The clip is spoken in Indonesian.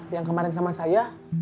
yang kemarin sama saya